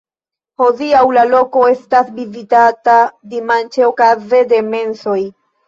Hodiaŭ, la loko estas vizitata dimanĉe okaze de mesoj.